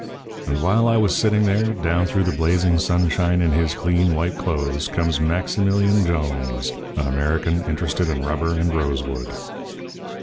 "And while I was sitting there, down through the blazing sunshine in his clean, white clothes comes Maximilian Jones, an American interested in rubber and rosewood.